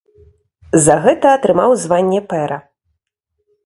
За гэта атрымаў званне пэра.